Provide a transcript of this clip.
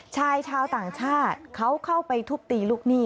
ชายชาวต่างชาติเขาเข้าไปทุบตีลูกหนี้